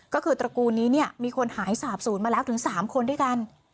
ก็คือตระกูลนี้มีคนหายสาบศูนย์มาแล้วถึง๓คนด้วยกัน